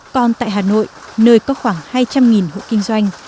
còn tại hà nội nơi có khoảng hai trăm linh hộ kinh doanh